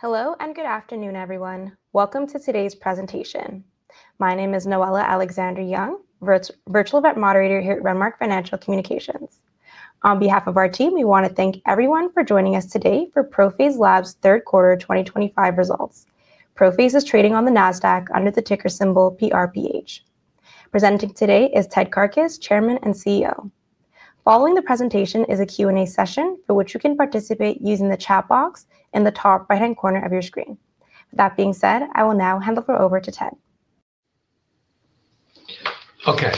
Hello and good afternoon, everyone. Welcome to today's presentation. My name is Noella Alexander-Young, Virtual Event Moderator here at Renmark Financial Communications. On behalf of our team, we want to thank everyone for joining us today for ProPhase Labs' third quarter 2025 results. ProPhase is trading on the Nasdaq under the ticker symbol PRPH. Presenting today is Ted Karkus, Chairman and CEO. Following the presentation is a Q&A session for which you can participate using the chat box in the top right-hand corner of your screen. That being said, I will now hand over to Ted. Okay.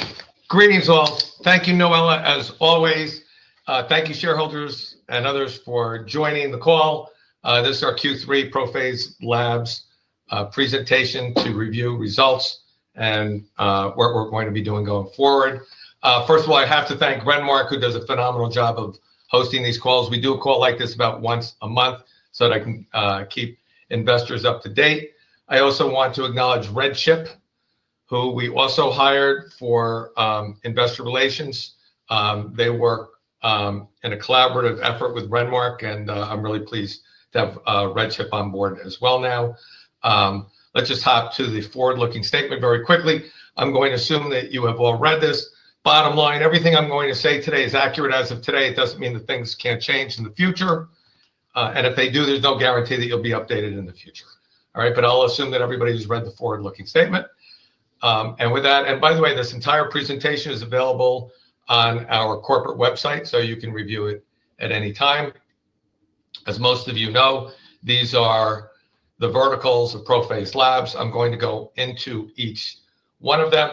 Greetings all. Thank you, Noella, as always. Thank you, shareholders and others, for joining the call. This is our Q3 ProPhase Labs presentation to review results and what we're going to be doing going forward. First of all, I have to thank Renmark, who does a phenomenal job of hosting these calls. We do a call like this about once a month so that I can keep investors up to date. I also want to acknowledge RedChip, who we also hired for investor relations. They work in a collaborative effort with Renmark, and I'm really pleased to have RedChip on board as well now. Let's just hop to the forward-looking statement very quickly. I'm going to assume that you have all read this. Bottom line, everything I'm going to say today is accurate as of today. It doesn't mean that things can't change in the future. If they do, there's no guarantee that you'll be updated in the future. All right, but I'll assume that everybody's read the forward-looking statement. With that, and by the way, this entire presentation is available on our corporate website, so you can review it at any time. As most of you know, these are the verticals of ProPhase Labs. I'm going to go into each one of them.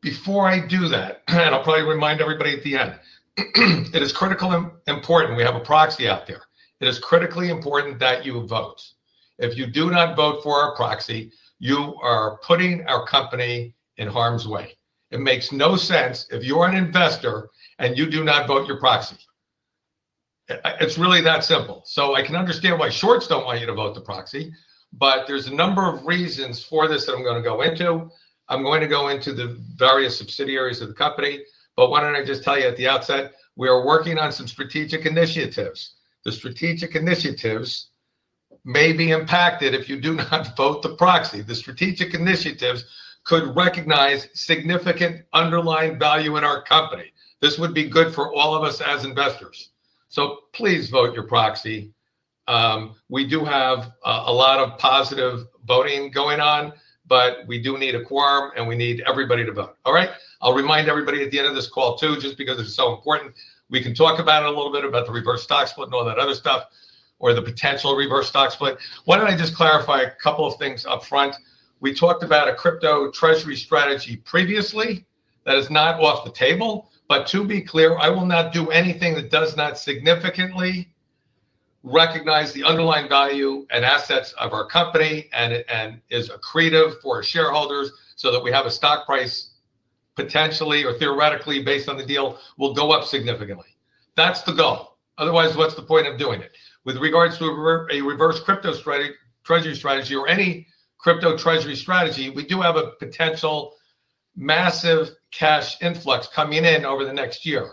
Before I do that, and I'll probably remind everybody at the end, it is critically important we have a proxy out there. It is critically important that you vote. If you do not vote for our proxy, you are putting our company in harm's way. It makes no sense if you're an investor and you do not vote your proxy. It's really that simple. I can understand why shorts do not want you to vote the proxy, but there are a number of reasons for this that I am going to go into. I am going to go into the various subsidiaries of the company. Why do I not just tell you at the outset, we are working on some strategic initiatives. The strategic initiatives may be impacted if you do not vote the proxy. The strategic initiatives could recognize significant underlying value in our company. This would be good for all of us as investors. Please vote your proxy. We do have a lot of positive voting going on, but we do need a quorum and we need everybody to vote. All right, I will remind everybody at the end of this call too, just because it is so important. We can talk about it a little bit, about the reverse stock split and all that other stuff or the potential reverse stock split. Why don't I just clarify a couple of things upfront? We talked about a crypto treasury strategy previously. That is not off the table. To be clear, I will not do anything that does not significantly recognize the underlying value and assets of our company and is accretive for shareholders so that we have a stock price potentially or theoretically, based on the deal, will go up significantly. That is the goal. Otherwise, what is the point of doing it? With regards to a reverse crypto treasury strategy or any crypto treasury strategy, we do have a potential massive cash influx coming in over the next year.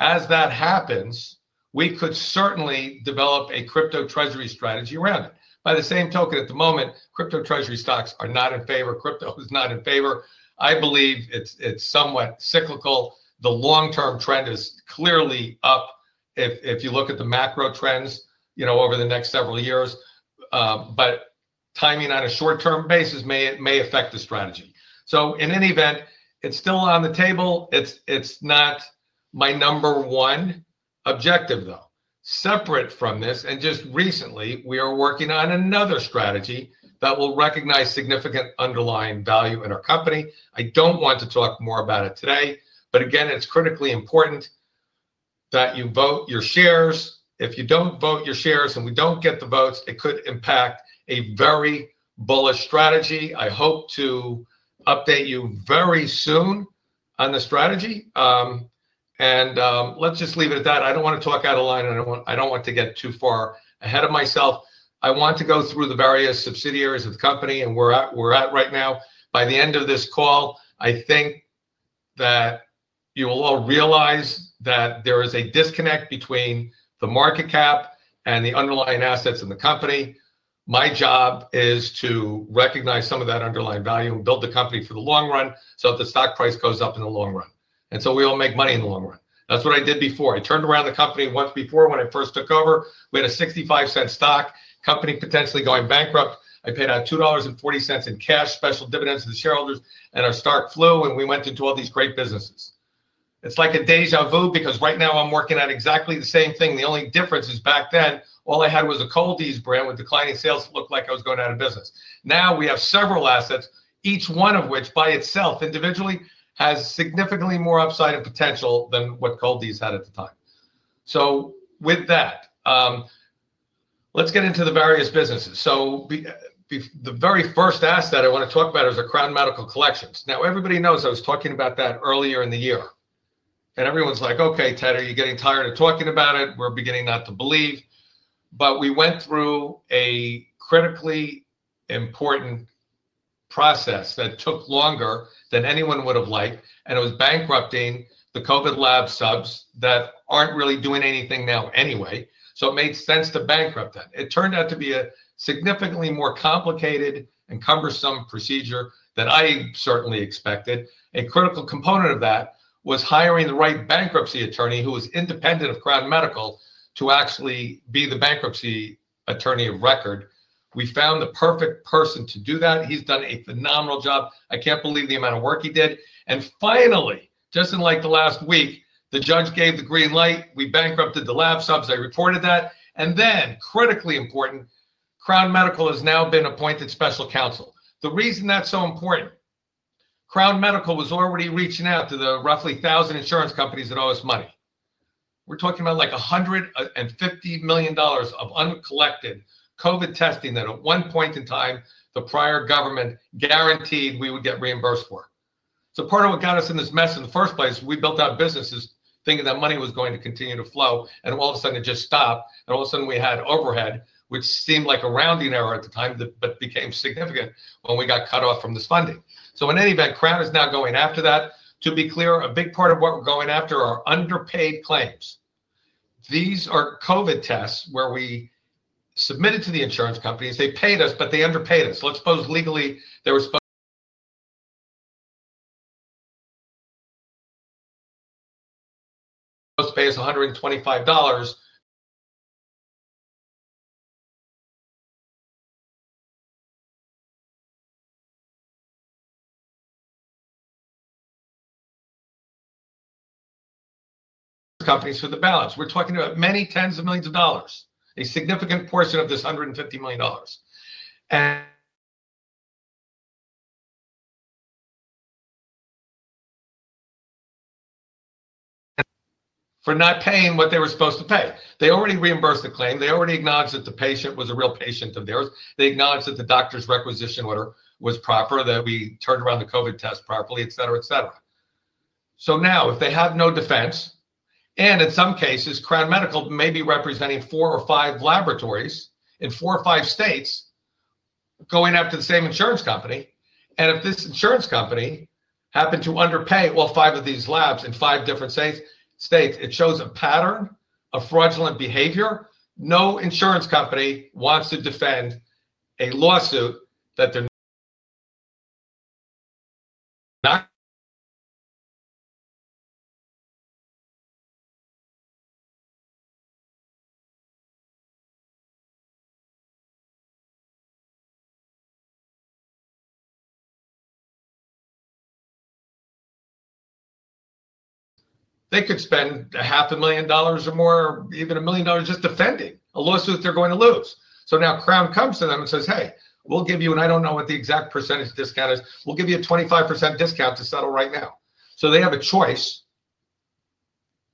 As that happens, we could certainly develop a crypto treasury strategy around it. By the same token, at the moment, crypto treasury stocks are not in favor. Crypto is not in favor. I believe it's somewhat cyclical. The long-term trend is clearly up if you look at the macro trends over the next several years. Timing on a short-term basis may affect the strategy. In any event, it's still on the table. It's not my number one objective, though. Separate from this, and just recently, we are working on another strategy that will recognize significant underlying value in our company. I don't want to talk more about it today. Again, it's critically important that you vote your shares. If you don't vote your shares and we don't get the votes, it could impact a very bullish strategy. I hope to update you very soon on the strategy. Let's just leave it at that. I don't want to talk out of line. I don't want to get too far ahead of myself. I want to go through the various subsidiaries of the company and where we're at right now. By the end of this call, I think that you will all realize that there is a disconnect between the market cap and the underlying assets in the company. My job is to recognize some of that underlying value and build the company for the long run so that the stock price goes up in the long run. We all make money in the long run. That's what I did before. I turned around the company once before when I first took over. We had a $0.65 stock company potentially going bankrupt. I paid out $2.40 in cash, special dividends to the shareholders, and our stock flew and we went into all these great businesses. It's like a déjà vu because right now I'm working on exactly the same thing. The only difference is back then all I had was a Cold-EEZE brand with declining sales that looked like I was going out of business. Now we have several assets, each one of which by itself individually has significantly more upside and potential than what Cold-EEZE had at the time. With that, let's get into the various businesses. The very first asset I want to talk about is Crown Medical Collections. Everybody knows I was talking about that earlier in the year. And everyone's like, "Okay, Ted, are you getting tired of talking about it? We're beginning not to believe." We went through a critically important process that took longer than anyone would have liked, and it was bankrupting the COVID Lab subs that aren't really doing anything now anyway. It made sense to bankrupt them. It turned out to be a significantly more complicated and cumbersome procedure than I certainly expected. A critical component of that was hiring the right bankruptcy attorney who was independent of Crown Medical to actually be the bankruptcy attorney of record. We found the perfect person to do that. He's done a phenomenal job. I can't believe the amount of work he did. Finally, just in like the last week, the judge gave the green light. We bankrupted the lab subs. I reported that. Critically important, Crown Medical has now been appointed special counsel. The reason that's so important, Crown Medical was already reaching out to the roughly 1,000 insurance companies that owe us money. We're talking about like $150 million of uncollected COVID testing that at one point in time, the prior government guaranteed we would get reimbursed for. Part of what got us in this mess in the first place, we built out businesses thinking that money was going to continue to flow, and all of a sudden it just stopped. All of a sudden we had overhead, which seemed like a rounding error at the time, but became significant when we got cut off from this funding. In any event, Crown is now going after that. To be clear, a big part of what we're going after are underpaid claims. These are COVID tests where we submitted to the insurance companies. They paid us, but they underpaid us. Let's suppose legally they were supposed to pay us $125. Companies for the balance. We're talking about many tens of millions of dollars, a significant portion of this $150 million. For not paying what they were supposed to pay, they already reimbursed the claim. They already acknowledged that the patient was a real patient of theirs. They acknowledged that the doctor's requisition order was proper, that we turned around the COVID test properly, et cetera, et cetera. Now, if they have no defense, and in some cases, Crown Medical may be representing four or five laboratories in four or five states going after the same insurance company. If this insurance company happened to underpay five of these labs in five different states, it shows a pattern of fraudulent behavior. No insurance company wants to defend a lawsuit that they're not. They could spend $500,000 or more, even $1,000,000 just defending a lawsuit they're going to lose. Crown comes to them and says, "Hey, we'll give you," and I don't know what the exact % discount is, "we'll give you a 25% discount to settle right now." They have a choice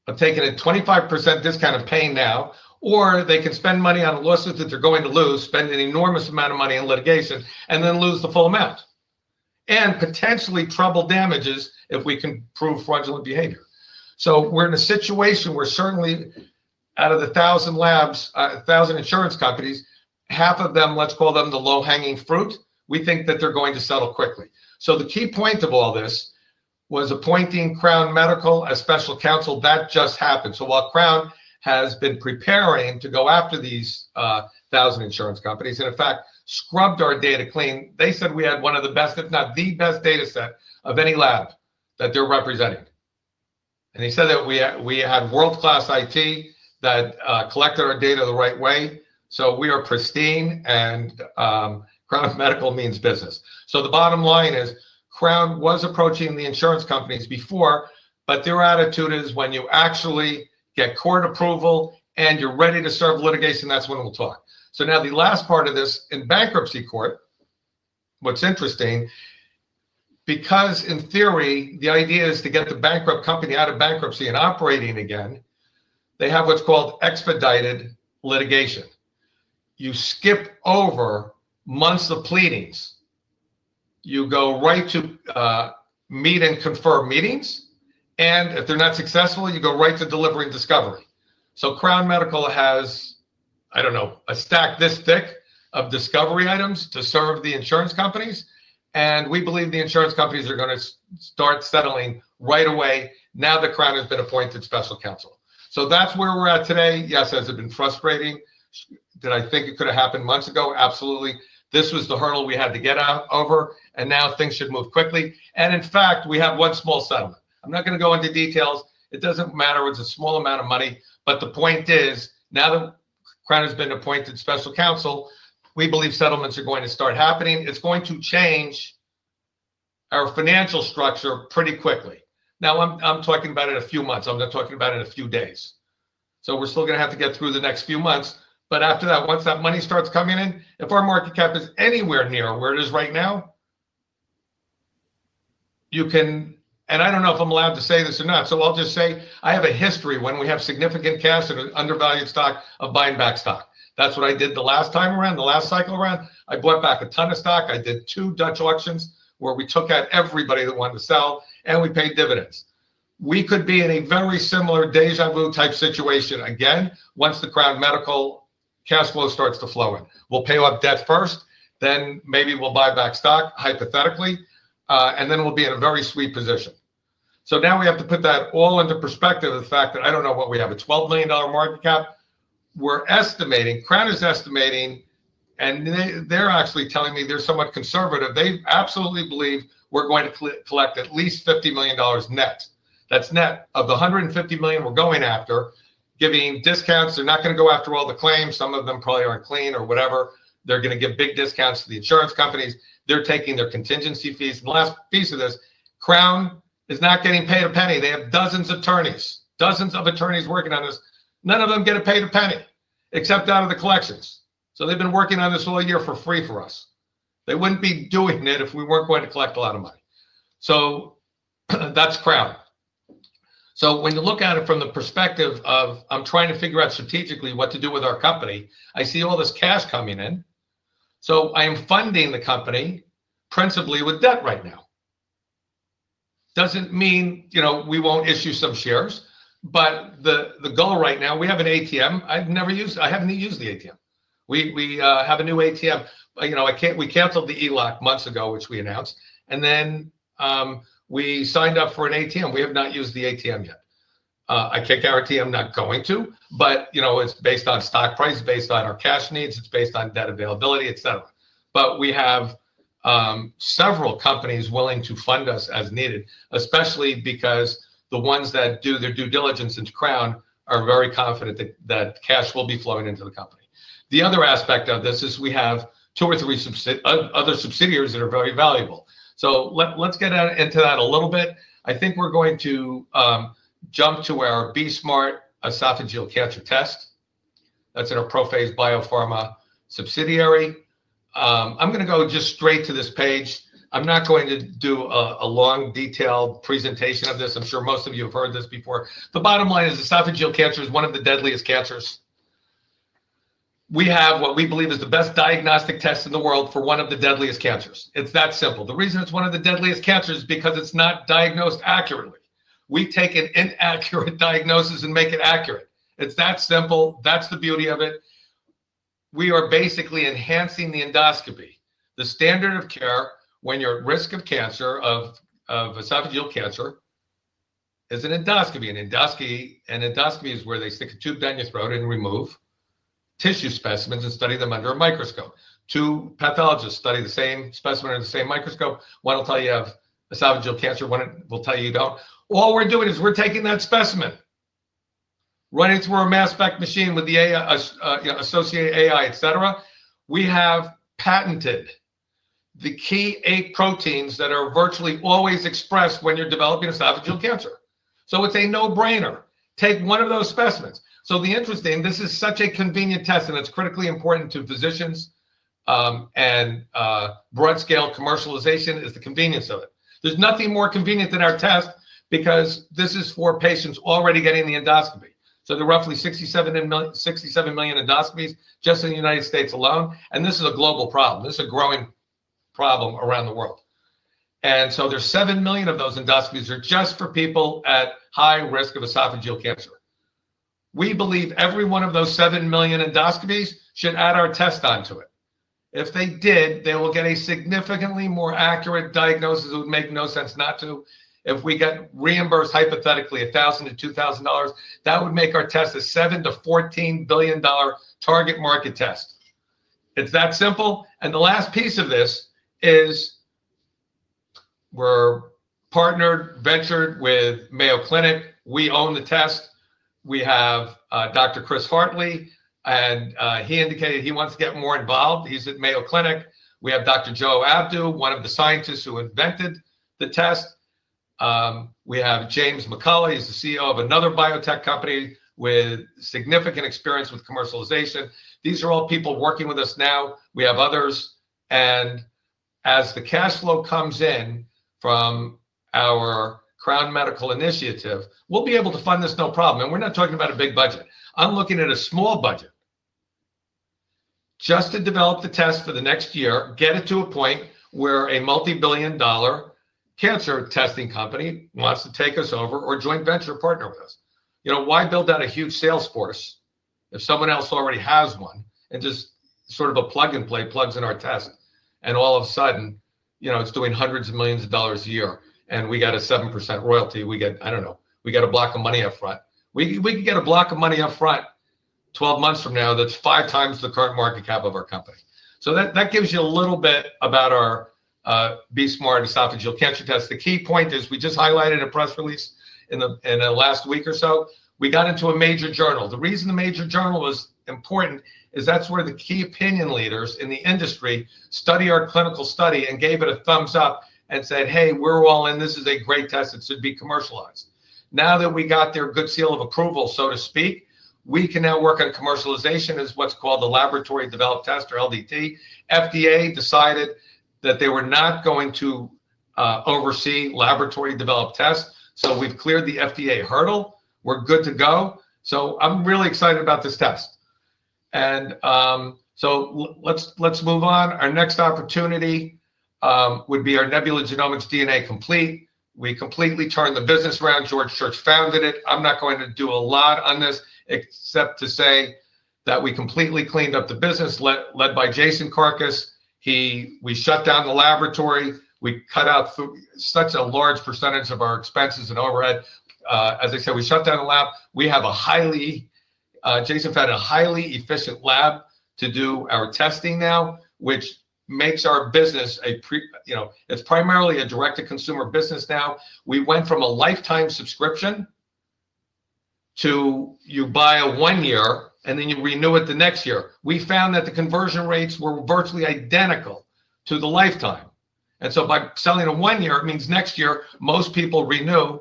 of taking a 25% discount of paying now, or they can spend money on a lawsuit that they're going to lose, spend an enormous amount of money in litigation, and then lose the full amount and potentially treble damages if we can prove fraudulent behavior. We're in a situation where certainly out of the 1,000 labs, 1,000 insurance companies, half of them, let's call them the low-hanging fruit, we think that they're going to settle quickly. The key point of all this was appointing Crown Medical as special counsel. That just happened. While Crown has been preparing to go after these 1,000 insurance companies and in fact scrubbed our data clean, they said we had one of the best, if not the best data set of any lab that they are representing. They said that we had world-class IT that collected our data the right way. We are pristine and Crown Medical means business. The bottom line is Crown was approaching the insurance companies before, but their attitude is when you actually get court approval and you are ready to serve litigation, that is when we will talk. Now the last part of this in bankruptcy court, what is interesting, because in theory, the idea is to get the bankrupt company out of bankruptcy and operating again, they have what is called expedited litigation. You skip over months of pleadings. You go right to meet and confirm meetings. If they're not successful, you go right to delivery and discovery. Crown Medical has, I don't know, a stack this thick of discovery items to serve the insurance companies. We believe the insurance companies are going to start settling right away now that Crown has been appointed special counsel. That's where we're at today. Yes, it has been frustrating. Did I think it could have happened months ago? Absolutely. This was the hurdle we had to get over, and now things should move quickly. In fact, we have one small settlement. I'm not going to go into details. It doesn't matter, it's a small amount of money. The point is, now that Crown has been appointed special counsel, we believe settlements are going to start happening. It's going to change our financial structure pretty quickly. I'm talking about it a few months. I'm not talking about it a few days. We're still going to have to get through the next few months. After that, once that money starts coming in, if our market cap is anywhere near where it is right now, you can, and I don't know if I'm allowed to say this or not, so I'll just say I have a history when we have significant cash and an undervalued stock of buying back stock. That's what I did the last time around, the last cycle around. I bought back a ton of stock. I did two Dutch auctions where we took out everybody that wanted to sell, and we paid dividends. We could be in a very similar déjà vu type situation again once the Crown Medical cash flow starts to flow in. We'll pay off debt first, then maybe we'll buy back stock, hypothetically, and then we'll be in a very sweet position. Now we have to put that all into perspective of the fact that I don't know what we have, a $12 million market cap. We're estimating, Crown is estimating, and they're actually telling me they're somewhat conservative. They absolutely believe we're going to collect at least $50 million net. That's net of the $150 million we're going after, giving discounts. They're not going to go after all the claims. Some of them probably aren't clean or whatever. They're going to give big discounts to the insurance companies. They're taking their contingency fees. The last piece of this, Crown is not getting paid a penny. They have dozens of attorneys, dozens of attorneys working on this. None of them get paid a penny except out of the collections. They have been working on this all year for free for us. They would not be doing it if we were not going to collect a lot of money. That is Crown. When you look at it from the perspective of I am trying to figure out strategically what to do with our company, I see all this cash coming in. I am funding the company principally with debt right now. That does not mean we will not issue some shares. The goal right now, we have an ATM. I have never used it. I have not used the ATM. We have a new ATM. We canceled the ELOC months ago, which we announced. We signed up for an ATM. We have not used the ATM yet. I cannot guarantee I am not going to, but it is based on stock price, based on our cash needs, it is based on debt availability, et cetera. We have several companies willing to fund us as needed, especially because the ones that do their due diligence into Crown are very confident that cash will be flowing into the company. The other aspect of this is we have two or three other subsidiaries that are very valuable. Let's get into that a little bit. I think we're going to jump to our BE-Smart Esophageal Cancer Test That's in our ProPhase Biopharma subsidiary. I'm going to go just straight to this page. I'm not going to do a long detailed presentation of this. I'm sure most of you have heard this before. The bottom line is esophageal cancer is one of the deadliest cancers. We have what we believe is the best diagnostic test in the world for one of the deadliest cancers. It's that simple. The reason it's one of the deadliest cancers is because it's not diagnosed accurately. We take an inaccurate diagnosis and make it accurate. It's that simple. That's the beauty of it. We are basically enhancing the endoscopy. The standard of care when you're at risk of cancer, of esophageal cancer, is an endoscopy. An endoscopy is where they stick a tube down your throat and remove tissue specimens and study them under a microscope. Two pathologists study the same specimen under the same microscope. One will tell you you have esophageal cancer. One will tell you you don't. All we're doing is we're taking that specimen, running through our mass spec machine with the associated AI, et cetera. We have patented the key eight proteins that are virtually always expressed when you're developing esophageal cancer. So it's a no-brainer. Take one of those specimens. The interesting, this is such a convenient test and it's critically important to physicians and broad-scale commercialization is the convenience of it. There's nothing more convenient than our test because this is for patients already getting the endoscopy. There are roughly 67 million endoscopies just in the United States alone. This is a global problem. This is a growing problem around the world. There are 7 million of those endoscopies that are just for people at high risk of esophageal cancer. We believe every one of those 7 million endoscopies should add our test onto it. If they did, they will get a significantly more accurate diagnosis. It would make no sense not to. If we get reimbursed, hypothetically, $1,000-$2,000, that would make our test a $7 billion-$14 billion target market test. It's that simple. The last piece of this is we're partnered, ventured with Mayo Clinic. We own the test. We have Dr. Chris Hartley, and he indicated he wants to get more involved. He's at Mayo Clinic. We have Dr. Joe Abdo, one of the scientists who invented the test. We have James McCullough. He's the CEO of another biotech company with significant experience with commercialization. These are all people working with us now. We have others. As the cash flow comes in from our Crown Medical initiative, we'll be able to fund this, no problem. We're not talking about a big budget. I'm looking at a small budget just to develop the test for the next year, get it to a point where a multi-billion dollar cancer testing company wants to take us over or joint venture partner with us. Why build out a huge sales force if someone else already has one and just sort of a plug and play plugs in our test? All of a sudden, it's doing hundreds of millions of dollars a year. We got a 7% royalty. We get, I don't know, we got a block of money upfront. We can get a block of money upfront 12 months from now that's five times the current market cap of our company. That gives you a little bit about our BE-Smart Esophageal Cancer Test The key point is we just highlighted a press release in the last week or so. We got into a major journal. The reason the major journal was important is that's where the key opinion leaders in the industry study our clinical study and gave it a thumbs up and said, "Hey, we're all in. This is a great test. It should be commercialized. Now that we got their good seal of approval, so to speak, we can now work on commercialization as what's called the laboratory developed test or LDT. FDA decided that they were not going to oversee laboratory developed tests. So we've cleared the FDA hurdle. We're good to go. I'm really excited about this test. Let's move on. Our next opportunity would be our Nebula Genomics DNA Complete. We completely turned the business around. George Church founded it. I'm not going to do a lot on this except to say that we completely cleaned up the business led by Jason Karkus. We shut down the laboratory. We cut out such a large percentage of our expenses and overhead. As I said, we shut down the lab. Jason found a highly efficient lab to do our testing now, which makes our business a, it's primarily a direct-to-consumer business now. We went from a lifetime subscription to you buy a one-year and then you renew it the next year. We found that the conversion rates were virtually identical to the lifetime. By selling a one-year, it means next year most people renew.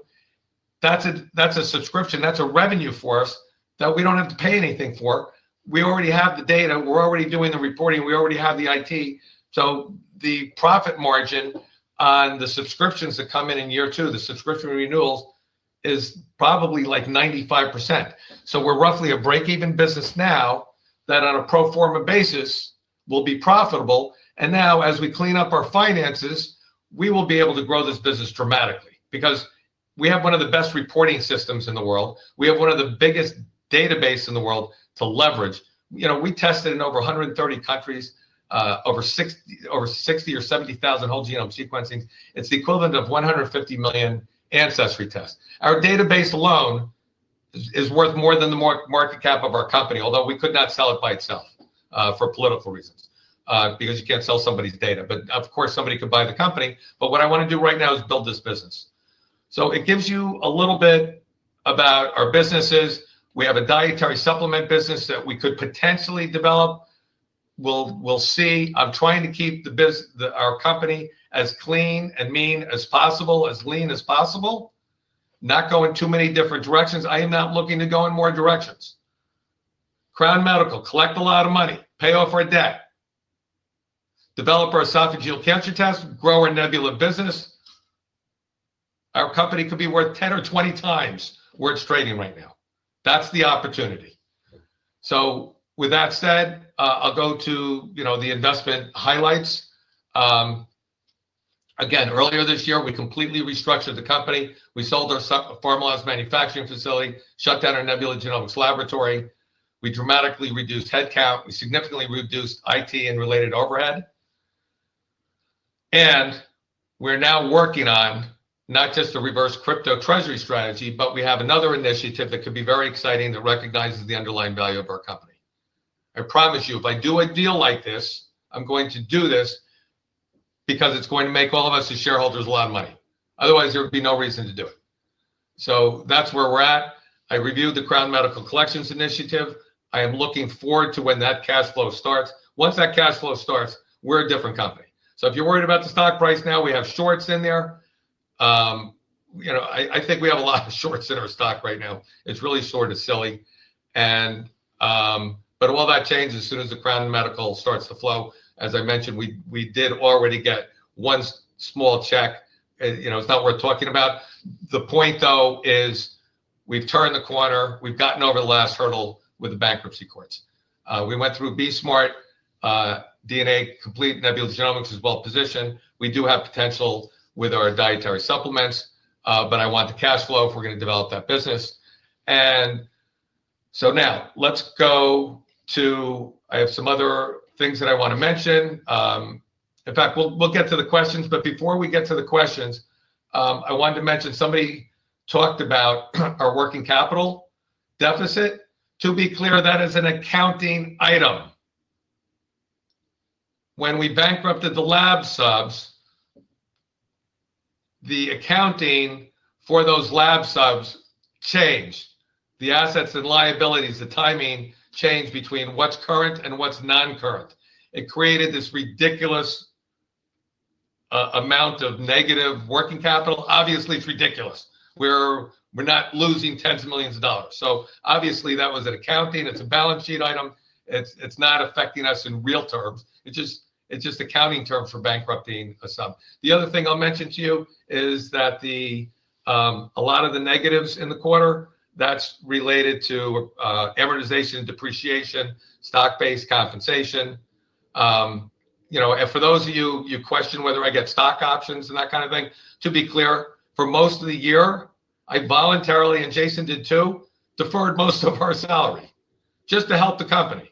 That's a subscription. That's revenue for us that we don't have to pay anything for. We already have the data. We're already doing the reporting. We already have the IT. The profit margin on the subscriptions that come in in year two, the subscription renewals, is probably like 95%. We're roughly a break-even business now that on a pro forma basis will be profitable. As we clean up our finances, we will be able to grow this business dramatically because we have one of the best reporting systems in the world. We have one of the biggest databases in the world to leverage. We tested in over 130 countries, over 60,000 or 70,000 whole genome sequencings. It's the equivalent of 150 million ancestry tests. Our database alone is worth more than the market cap of our company, although we could not sell it by itself for political reasons because you can't sell somebody's data. Of course, somebody could buy the company. What I want to do right now is build this business. It gives you a little bit about our businesses. We have a dietary supplement business that we could potentially develop. We'll see. I'm trying to keep our company as clean and mean as possible, as lean as possible, not going too many different directions. I am not looking to go in more directions. Crown Medical, collect a lot of money, pay off our debt, develop our Esophageal Cancer Test, grow our nebula business. Our company could be worth 10x or 20x where it's trading right now. That's the opportunity. With that said, I'll go to the investment highlights. Again, earlier this year, we completely restructured the company. We sold our Pharmaloz manufacturing facility, shut down our Nebula Genomics laboratory. We dramatically reduced headcount. We significantly reduced IT and related overhead. We're now working on not just a reverse crypto treasury strategy, but we have another initiative that could be very exciting that recognizes the underlying value of our company. I promise you, if I do a deal like this, I'm going to do this because it's going to make all of us as shareholders a lot of money. Otherwise, there would be no reason to do it. That's where we're at. I reviewed the Crown Medical Collections Initiative. I am looking forward to when that cash flow starts. Once that cash flow starts, we're a different company. If you're worried about the stock price now, we have shorts in there. I think we have a lot of shorts in our stock right now. It's really sort of silly. All that changes as soon as the Crown Medical starts to flow. As I mentioned, we did already get one small check. It's not worth talking about. The point, though, is we've turned the corner. We've gotten over the last hurdle with the bankruptcy courts. We went through BE-Smart, DNA Complete. Nebula Genomics is well positioned. We do have potential with our dietary supplements, but I want the cash flow if we're going to develop that business. Now, I have some other things that I want to mention. In fact, we'll get to the questions. Before we get to the questions, I wanted to mention somebody talked about our working capital deficit. To be clear, that is an accounting item. When we bankrupted the lab subs, the accounting for those lab subs changed. The assets and liabilities, the timing changed between what's current and what's non-current. It created this ridiculous amount of negative working capital. Obviously, it's ridiculous. We're not losing tens of millions of dollars. That was an accounting. It's a balance sheet item. It's not affecting us in real terms. It's just accounting terms for bankrupting a sub. The other thing I'll mention to you is that a lot of the negatives in the quarter, that's related to amortization, depreciation, stock-based compensation. For those of you who question whether I get stock options and that kind of thing, to be clear, for most of the year, I voluntarily, and Jason did too, deferred most of our salary just to help the company.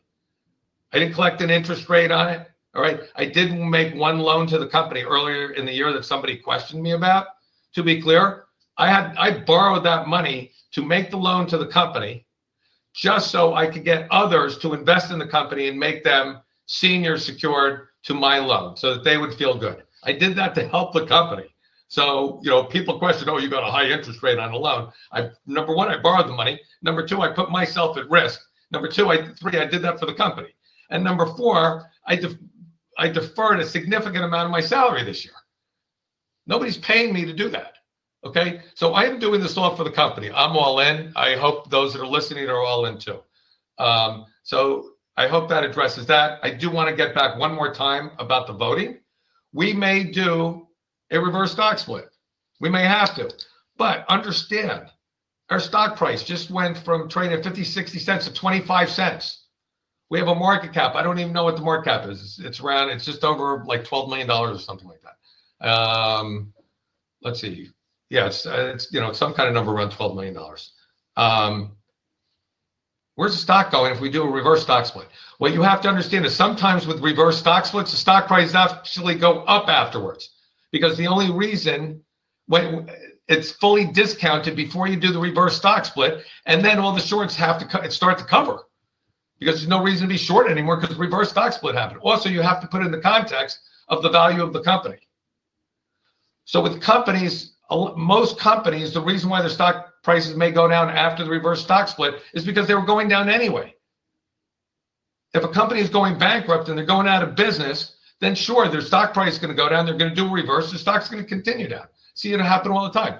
I didn't collect an interest rate on it. All right. I did make one loan to the company earlier in the year that somebody questioned me about. To be clear, I borrowed that money to make the loan to the company just so I could get others to invest in the company and make them senior secured to my loan so that they would feel good. I did that to help the company. People questioned, "Oh, you got a high interest rate on a loan." Number one, I borrowed the money. Number two, I put myself at risk. Number three, I did that for the company. Number four, I deferred a significant amount of my salary this year. Nobody's paying me to do that. Okay? I am doing this all for the company. I'm all in. I hope those that are listening are all in too. I hope that addresses that. I do want to get back one more time about the voting. We may do a reverse stock split. We may have to. Understand, our stock price just went from trading at $0.50-$0.60 to $0.25. We have a market cap. I do not even know what the market cap is. It is just over like $12 million or something like that. Let's see. Yes, it's some kind of number around $12 million. Where's the stock going if we do a reverse stock split? What you have to understand is sometimes with reverse stock splits, the stock price actually goes up afterwards because the only reason it's fully discounted before you do the reverse stock split, and then all the shorts have to start to cover because there's no reason to be short anymore because reverse stock split happened. Also, you have to put it in the context of the value of the company. With companies, most companies, the reason why their stock prices may go down after the reverse stock split is because they were going down anyway. If a company is going bankrupt and they're going out of business, then sure, their stock price is going to go down. They're going to do a reverse. The stock is going to continue down. See, it happened all the time.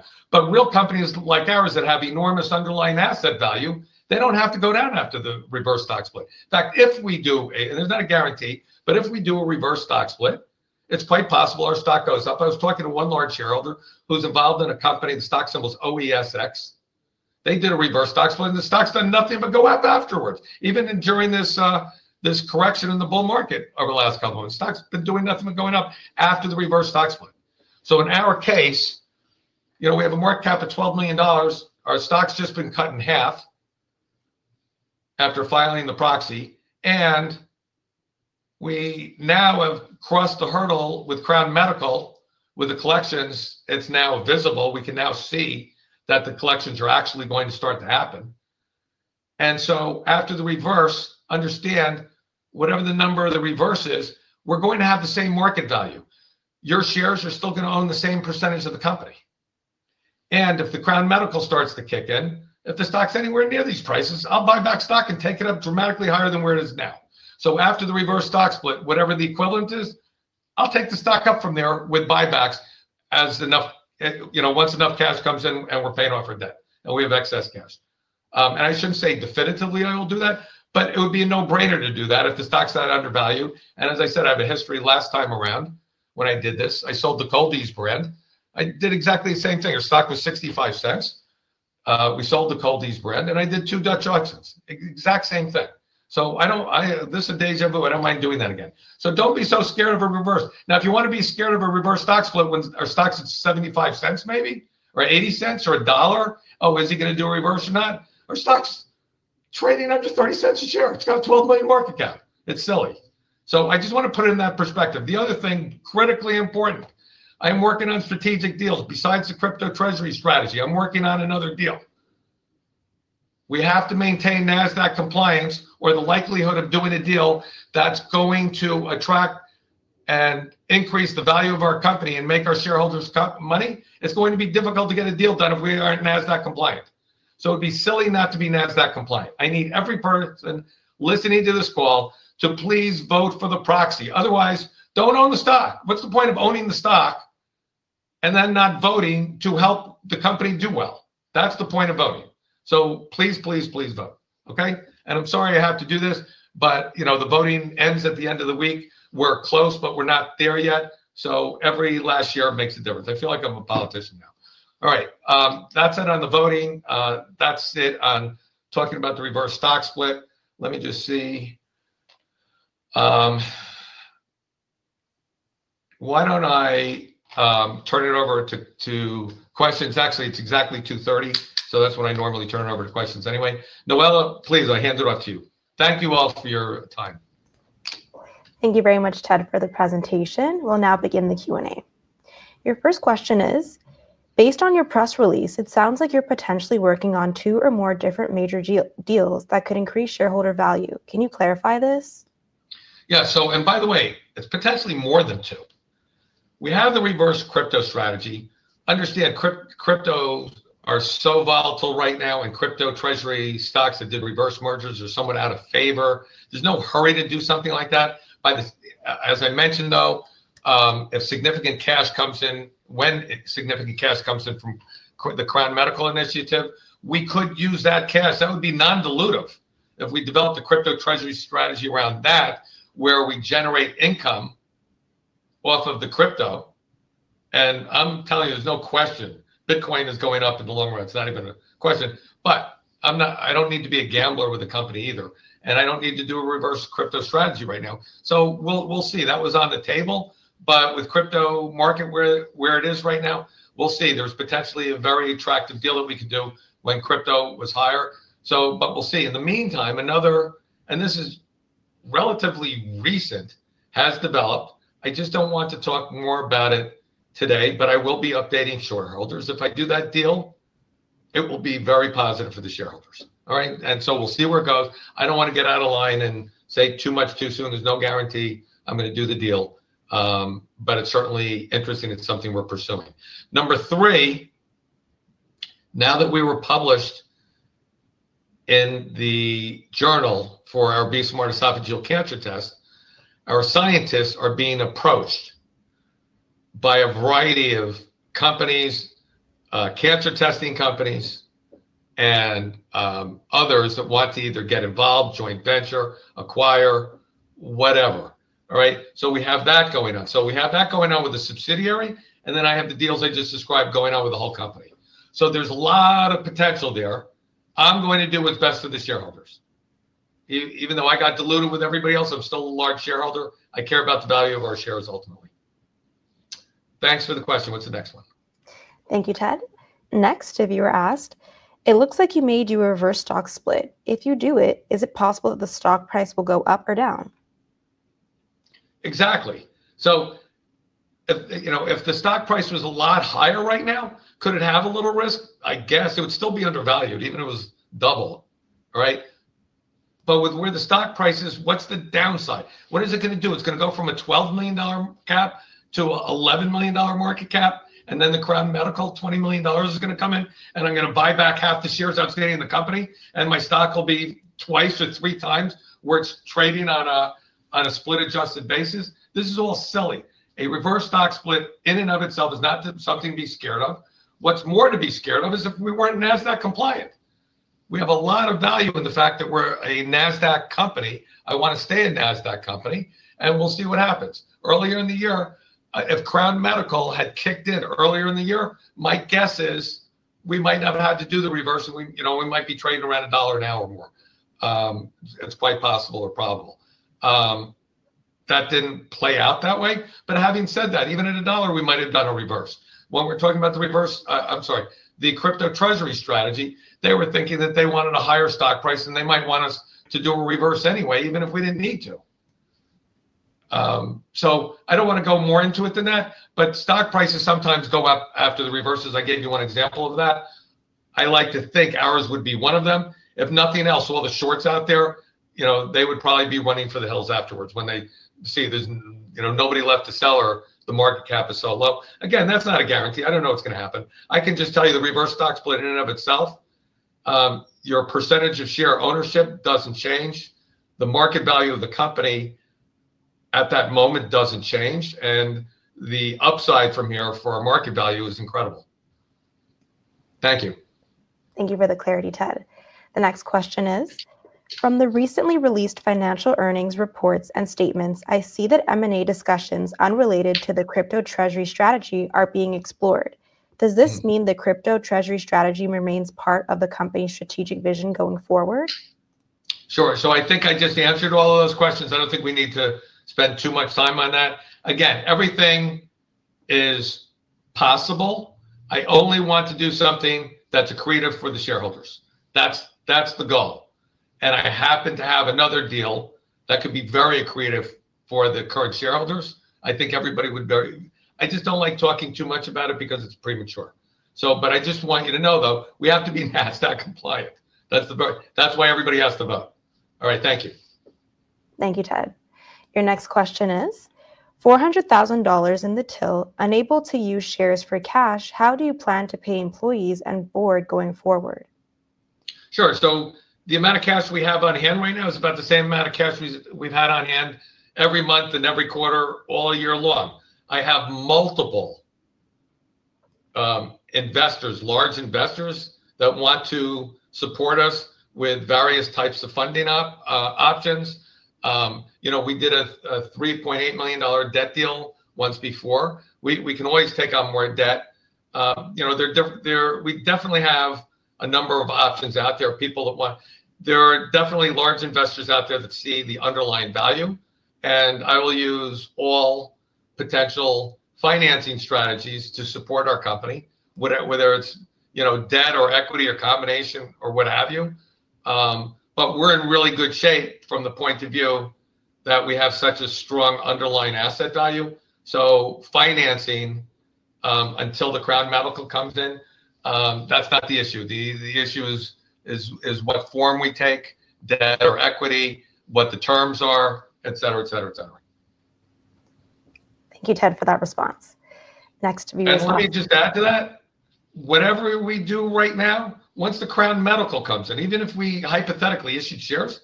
Real companies like ours that have enormous underlying asset value, they do not have to go down after the reverse stock split. In fact, if we do a—and there is not a guarantee—if we do a reverse stock split, it is quite possible our stock goes up. I was talking to one large shareholder who is involved in a company. The stock symbol is OESX. They did a reverse stock split, and the stock has done nothing but go up afterwards, even during this correction in the bull market over the last couple of months. The stock has been doing nothing but going up after the reverse stock split. In our case, we have a market cap of $12 million. Our stock has just been cut in half after filing the proxy. We now have crossed the hurdle with Crown Medical with the collections. It's now visible. We can now see that the collections are actually going to start to happen. After the reverse, understand whatever the number of the reverse is, we're going to have the same market value. Your shares are still going to own the same percentage of the company. If Crown Medical starts to kick in, if the stock's anywhere near these prices, I'll buy back stock and take it up dramatically higher than where it is now. After the reverse stock split, whatever the equivalent is, I'll take the stock up from there with buybacks once enough cash comes in and we're paying off our debt and we have excess cash. I shouldn't say definitively I will do that, but it would be a no-brainer to do that if the stock's not undervalued. As I said, I have a history last time around when I did this. I sold the Cold-EEZE brand. I did exactly the same thing. Our stock was $0.65. We sold the Cold-EEZE brand, and I did two Dutch auctions. Exact same thing. This is a day's invalue. I don't mind doing that again. Don't be so scared of a reverse. Now, if you want to be scared of a reverse stock split when our stock's at $0.75 maybe or $0.80 or $1, oh, is he going to do a reverse or not? Our stock's trading under $0.30 a share. It's got a $12 million market cap. It's silly. I just want to put it in that perspective. The other thing, critically important, I'm working on strategic deals. Besides the crypto treasury strategy, I'm working on another deal. We have to maintain Nasdaq compliance or the likelihood of doing a deal that's going to attract and increase the value of our company and make our shareholders' money. It's going to be difficult to get a deal done if we aren't Nasdaq compliant. It would be silly not to be Nasdaq compliant. I need every person listening to this call to please vote for the proxy. Otherwise, don't own the stock. What's the point of owning the stock and then not voting to help the company do well? That's the point of voting. Please, please, please vote. Okay? I'm sorry I have to do this, but the voting ends at the end of the week. We're close, but we're not there yet. Every last year makes a difference. I feel like I'm a politician now. All right. That's it on the voting. That's it on talking about the reverse stock split. Let me just see. Why don't I turn it over to questions? Actually, it's exactly 2:30, so that's when I normally turn it over to questions anyway. Noella, please, I hand it off to you. Thank you all for your time. Thank you very much, Ted, for the presentation. We'll now begin the Q&A. Your first question is, based on your press release, it sounds like you're potentially working on two or more different major deals that could increase shareholder value. Can you clarify this? Yeah. By the way, it's potentially more than two. We have the reverse crypto strategy. Understand, cryptos are so volatile right now, and crypto treasury stocks that did reverse mergers are somewhat out of favor. There's no hurry to do something like that. As I mentioned, though, if significant cash comes in, when significant cash comes in from the Crown Medical Initiative, we could use that cash. That would be non-dilutive. If we develop the crypto treasury strategy around that, where we generate income off of the crypto, and I'm telling you, there's no question Bitcoin is going up in the long run. It's not even a question. I don't need to be a gambler with the company either. I don't need to do a reverse crypto strategy right now. We'll see. That was on the table. With the crypto market where it is right now, we'll see. There's potentially a very attractive deal that we could do when crypto was higher. We'll see. In the meantime, another—this is relatively recent—has developed. I just don't want to talk more about it today, but I will be updating shareholders. If I do that deal, it will be very positive for the shareholders. All right? We'll see where it goes. I don't want to get out of line and say too much too soon. There's no guarantee I'm going to do the deal. It's certainly interesting. It's something we're pursuing. Number three, now that we were published in the journal for our BE-Smart Esophageal Cancer Test, our scientists are being approached by a variety of companies, cancer testing companies, and others that want to either get involved, joint venture, acquire, whatever. All right? We have that going on with the subsidiary. And then I have the deals I just described going on with the whole company. There is a lot of potential there. I'm going to do what's best for the shareholders. Even though I got diluted with everybody else, I'm still a large shareholder. I care about the value of our shares ultimately. Thanks for the question. What's the next one? Thank you, Ted. Next, if you were asked, it looks like you may do a reverse stock split. If you do it, is it possible that the stock price will go up or down? Exactly. If the stock price was a lot higher right now, could it have a little risk? I guess it would still be undervalued even if it was double, right? With where the stock price is, what's the downside? What is it going to do? It's going to go from a $12 million cap to an $11 million market cap. The Crown Medical $20 million is going to come in, and I'm going to buy back half the shares outstanding in the company. My stock will be twice or three times where it's trading on a split-adjusted basis. This is all silly. A reverse stock split in and of itself is not something to be scared of. What's more to be scared of is if we were not Nasdaq compliant. We have a lot of value in the fact that we're a Nasdaq company. I want to stay a Nasdaq company. We'll see what happens. Earlier in the year, if Crown Medical had kicked in earlier in the year, my guess is we might not have had to do the reverse. We might be trading around a dollar or more. It's quite possible or probable. That did not play out that way. Having said that, even at a dollar, we might have done a reverse. When we are talking about the reverse, I am sorry, the crypto treasury strategy, they were thinking that they wanted a higher stock price, and they might want us to do a reverse anyway, even if we did not need to. I do not want to go more into it than that. Stock prices sometimes go up after the reverses. I gave you one example of that. I like to think ours would be one of them. If nothing else, all the shorts out there, they would probably be running for the hills afterwards when they see there's nobody left to sell or the market cap is so low. Again, that's not a guarantee. I don't know what's going to happen. I can just tell you the reverse stock split in and of itself, your percentage of share ownership doesn't change. The market value of the company at that moment doesn't change. The upside from here for our market value is incredible. Thank you. Thank you for the clarity, Ted. The next question is, from the recently released financial earnings reports and statements, I see that M&A discussions unrelated to the crypto treasury strategy are being explored. Does this mean the crypto treasury strategy remains part of the company's strategic vision going forward? Sure. I think I just answered all of those questions. I do not think we need to spend too much time on that. Again, everything is possible. I only want to do something that is accretive for the shareholders. That is the goal. I happen to have another deal that could be very accretive for the current shareholders. I think everybody would—I just do not like talking too much about it because it is premature. I just want you to know, though, we have to be Nasdaq compliant. That is why everybody has to vote. All right. Thank you. Thank you, Ted. Your next question is, $400,000 in the till, unable to use shares for cash. How do you plan to pay employees and board going forward? Sure. The amount of cash we have on hand right now is about the same amount of cash we've had on hand every month and every quarter, all year long. I have multiple investors, large investors that want to support us with various types of funding options. We did a $3.8 million debt deal once before. We can always take on more debt. We definitely have a number of options out there, people that want—there are definitely large investors out there that see the underlying value. I will use all potential financing strategies to support our company, whether it's debt or equity or combination or what have you. We're in really good shape from the point of view that we have such a strong underlying asset value. Financing until the Crown Medical comes in, that's not the issue. The issue is what form we take, debt or equity, what the terms are, etc., etc., etc. Thank you, Ted, for that response. Next, if you want to. I just want to add to that. Whatever we do right now, once Crown Medical comes in, even if we hypothetically issued shares,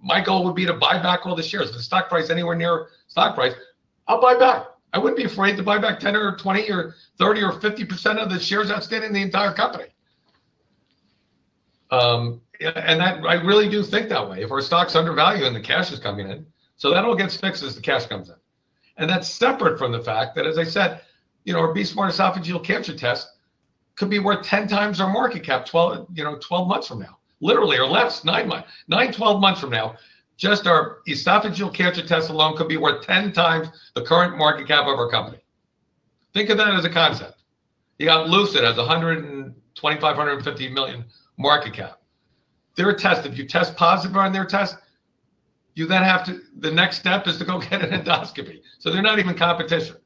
my goal would be to buy back all the shares. If the stock price is anywhere near stock price, I'll buy back. I wouldn't be afraid to buy back 10% or 20% or 30% or 50% of the shares outstanding in the entire company. I really do think that way. If our stock's undervalued and the cash is coming in, that all gets fixed as the cash comes in. That is separate from the fact that, as I said, our BE-Smart Esophageal Cancer Test could be worth 10x our market cap 12 months from now, literally or less, 9 months, 12 months from now. Just our Esophageal Cancer Test alone could be worth 10 times the current market cap of our company. Think of that as a concept. You got Lucid as a $120 million-150 million market cap. They're a test. If you test positive on their test, you then have to—the next step is to go get an endoscopy. They're not even competition.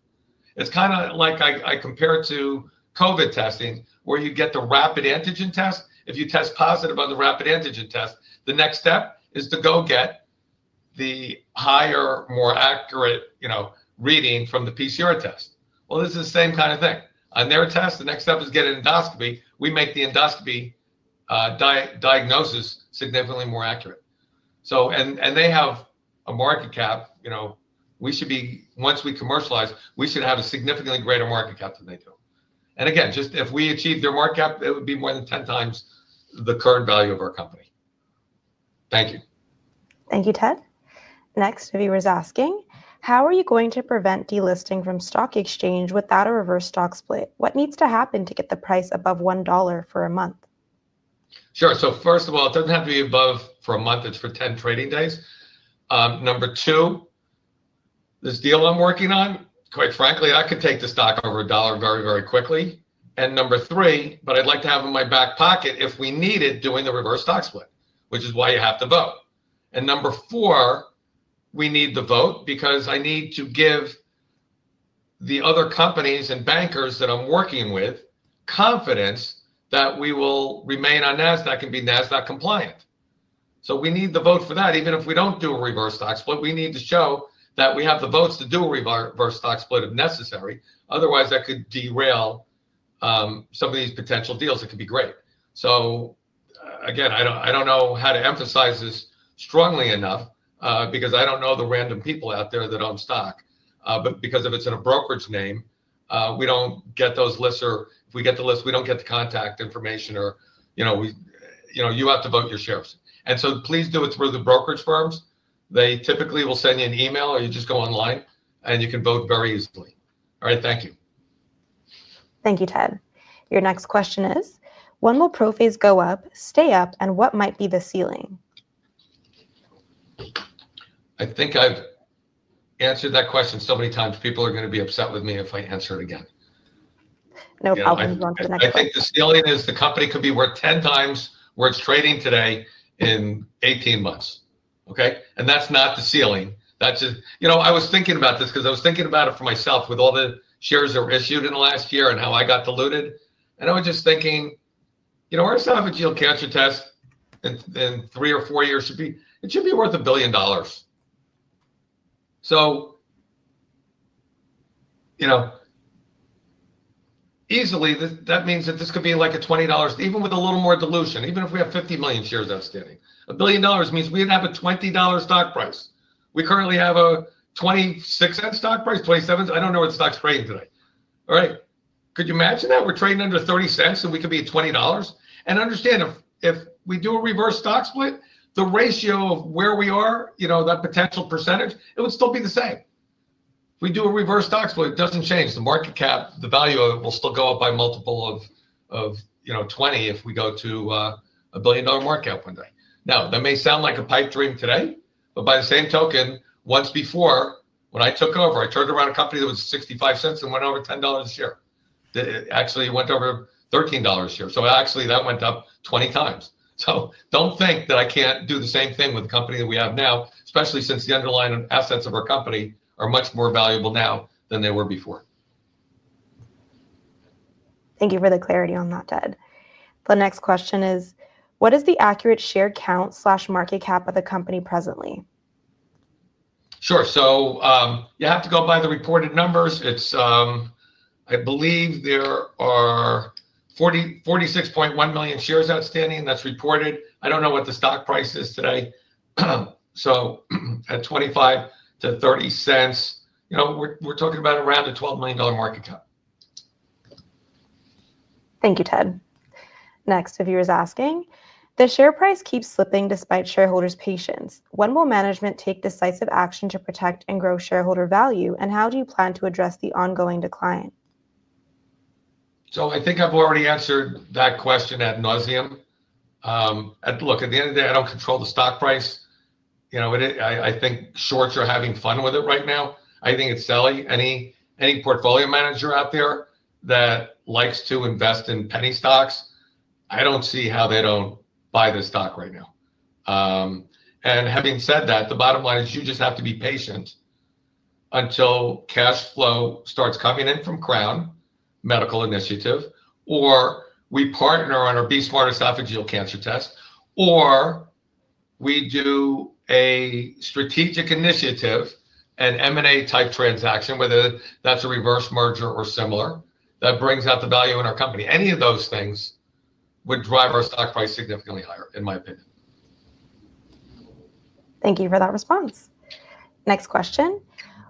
It's kind of like I compare it to COVID testing, where you get the rapid antigen test. If you test positive on the rapid antigen test, the next step is to go get the higher, more accurate reading from the PCR test. This is the same kind of thing. On their test, the next step is to get an endoscopy. We make the endoscopy diagnosis significantly more accurate. They have a market cap. Once we commercialize, we should have a significantly greater market cap than they do. If we achieve their market cap, it would be more than 10x the current value of our company. Thank you. Thank you, Ted. Next, if you were asking, how are you going to prevent delisting from stock exchange without a reverse stock split? What needs to happen to get the price above $1 for a month? Sure. First of all, it does not have to be above for a month. It is for 10 trading days. Number two, this deal I am working on, quite frankly, I could take the stock over $1 very, very quickly. Number three, I would like to have it in my back pocket if we need it, doing the reverse stock split, which is why you have to vote. Number four, we need the vote because I need to give the other companies and bankers that I am working with confidence that we will remain on Nasdaq and be Nasdaq compliant. We need the vote for that. Even if we do not do a reverse stock split, we need to show that we have the votes to do a reverse stock split if necessary. Otherwise, that could derail some of these potential deals. It could be great. Again, I don't know how to emphasize this strongly enough because I don't know the random people out there that own stock. If it's in a brokerage name, we don't get those lists. If we get the list, we don't get the contact information. You have to vote your shares. Please do it through the brokerage firms. They typically will send you an email or you just go online, and you can vote very easily. All right. Thank you. Thank you, Ted. Your next question is, when will pro fees go up, stay up, and what might be the ceiling? I think I've answered that question so many times. People are going to be upset with me if I answer it again. No problem. You want the next question? I think the ceiling is the company could be worth 10x where it's trading today in 18 months. Okay? And that's not the ceiling. I was thinking about this because I was thinking about it for myself with all the shares that were issued in the last year and how I got diluted. I was just thinking, our Esophageal Cancer Test in three or four years should be worth $1 billion. So easily, that means that this could be like a $20, even with a little more dilution, even if we have 50 million shares outstanding. $1 billion means we'd have a $20 stock price. We currently have a $0.26 stock price, $0.27. I don't know what the stock's trading today. All right. Could you imagine that we're trading under $0.30 and we could be at $20? Understand, if we do a reverse stock split, the ratio of where we are, that potential percentage, it would still be the same. If we do a reverse stock split, it does not change. The market cap, the value of it will still go up by a multiple of 20 if we go to a billion-dollar market cap one day. That may sound like a pipe dream today. By the same token, once before, when I took over, I turned around a company that was $0.65 and went over $10 a share. Actually, it went over $13 a share. Actually, that went up 20x. Do not think that I cannot do the same thing with the company that we have now, especially since the underlying assets of our company are much more valuable now than they were before. Thank you for the clarity on that, Ted. The next question is, what is the accurate share count/market cap of the company presently? Sure. You have to go by the reported numbers. I believe there are 46.1 million shares outstanding that's reported. I don't know what the stock price is today. At $0.25-$0.30, we're talking about around a $12 million market cap. Thank you, Ted. Next, if you were asking, the share price keeps slipping despite shareholders' patience. When will management take decisive action to protect and grow shareholder value? How do you plan to address the ongoing decline? I think I've already answered that question ad nauseam. Look, at the end of the day, I don't control the stock price. I think shorts are having fun with it right now. I think it's selly. Any portfolio manager out there that likes to invest in penny stocks, I don't see how they don't buy this stock right now. Having said that, the bottom line is you just have to be patient until cash flow starts coming in from Crown Medical Initiative, or we partner on our BE-Smart Esophageal Cancer Test, or we do a strategic initiative, an M&A type transaction, whether that's a reverse merger or similar, that brings out the value in our company. Any of those things would drive our stock price significantly higher, in my opinion. Thank you for that response. Next question.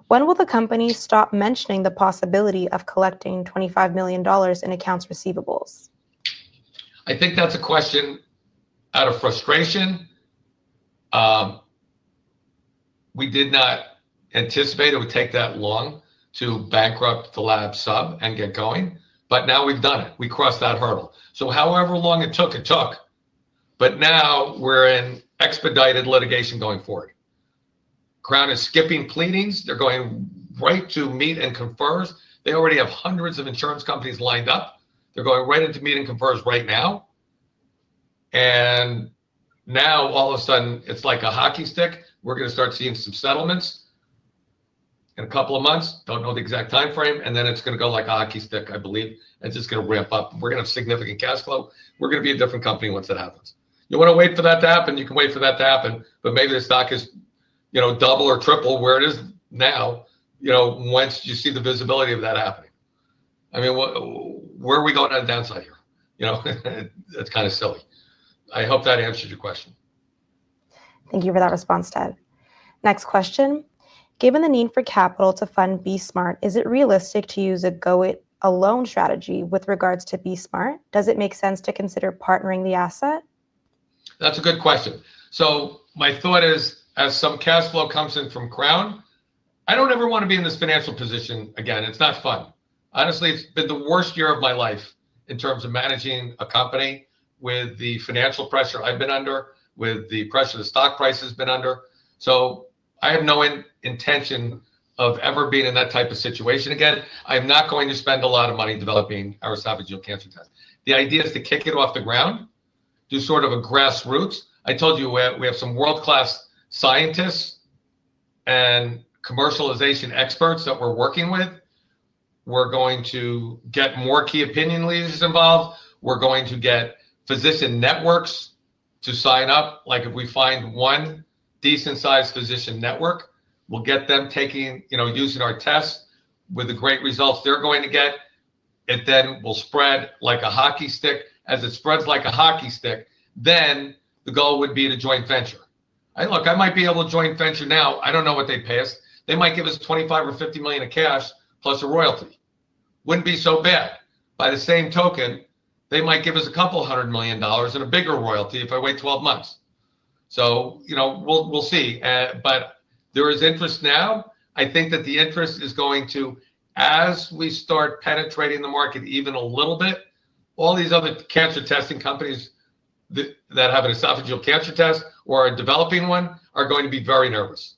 When will the company stop mentioning the possibility of collecting $25 million in accounts receivables? I think that's a question out of frustration. We did not anticipate it would take that long to bankrupt the labs sub and get going. Now we've done it. We crossed that hurdle. However long it took, it took. Now we're in expedited litigation going forward. Crown is skipping pleadings. They're going right to meet and confers. They already have hundreds of insurance companies lined up. They're going right into meet and confers right now. All of a sudden, it's like a hockey stick. We're going to start seeing some settlements in a couple of months. Don't know the exact time frame. Then it's going to go like a hockey stick, I believe. It's just going to ramp up. We're going to have significant cash flow. We're going to be a different company once it happens. You want to wait for that to happen? You can wait for that to happen. Maybe the stock is double or triple where it is now once you see the visibility of that happening. I mean, where are we going on the downside here? It's kind of silly. I hope that answered your question. Thank you for that response, Ted. Next question. Given the need for capital to fund BE-Smart, is it realistic to use a go-it-alone strategy with regards to BE-Smart? Does it make sense to consider partnering the asset? That's a good question. My thought is, as some cash flow comes in from Crown, I don't ever want to be in this financial position again. It's not fun. Honestly, it's been the worst year of my life in terms of managing a company with the financial pressure I've been under, with the pressure the stock price has been under. I have no intention of ever being in that type of situation again. I'm not going to spend a lot of money developing our Esophageal Cancer Test. The idea is to kick it off the ground, do sort of a grassroots. I told you we have some world-class scientists and commercialization experts that we're working with. We're going to get more key opinion leaders involved. We're going to get physician networks to sign up. If we find one decent-sized physician network, we'll get them using our tests with the great results they're going to get. It then will spread like a hockey stick. As it spreads like a hockey stick, the goal would be to join venture. Look, I might be able to join venture now. I don't know what they pay us. They might give us $25 million or $50 million in cash plus a royalty. Wouldn't be so bad. By the same token, they might give us a couple of hundred million dollars and a bigger royalty if I wait 12 months. We will see. There is interest now. I think that the interest is going to, as we start penetrating the market even a little bit, all these other cancer testing companies that have an Esophageal Cancer Test or are developing one are going to be very nervous.